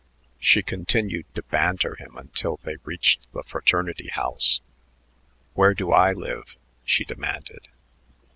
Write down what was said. She continued to banter him until they reached the fraternity house. "Where do I live?" she demanded.